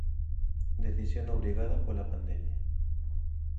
Decisión obrigada pola pandemia.